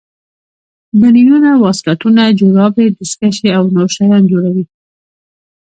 بنینونه واسکټونه جورابې دستکشې او نور شیان جوړوي.